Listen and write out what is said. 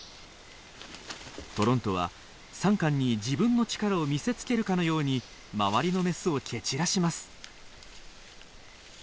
トロントはサンカンに自分の力を見せつけるかのように周りのメスを蹴散らします。